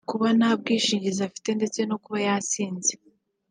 kuba nta bwishingizi afite ndetse no kuba yasinze